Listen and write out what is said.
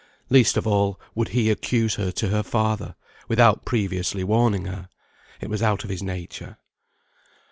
Least of all would he accuse her to her father, without previously warning her; it was out of his nature).